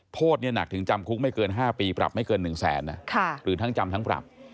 โทษหนักถึงจำคุกไม่เกิน๕ปีปรับไม่เกิน๑แสนหรือทั้งจำทั้งปรับ